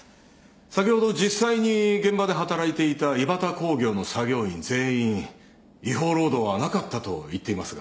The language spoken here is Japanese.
先ほど実際に現場で働いていたイバタ工業の作業員全員違法労働はなかったと言っていますが。